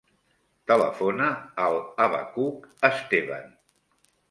Telefona al Abacuc Estevan.